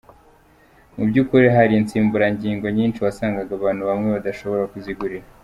Mu by’ukuri hari insimburangingo nyinshi wasangaga abantu bamwe badashoboye kuzigurira.